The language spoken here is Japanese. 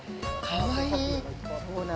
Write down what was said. かわいい。